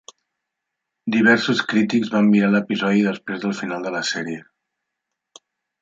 Diversos crítics van mirar l'episodi després del final de la sèrie.